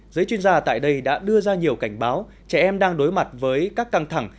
giới chuyên gia tại đây đã đưa ra nhiều cảnh báo trẻ em đang đối mặt với các căng thẳng